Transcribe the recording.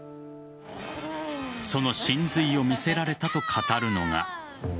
その真髄を見せられたと語るのが。